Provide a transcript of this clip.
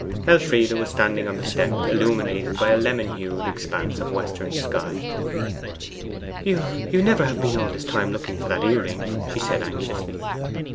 Elfride was standing on the step illuminated by a lemon hued expanse of western sky. 'You never have been all this time looking for that earring?' she said anxiously.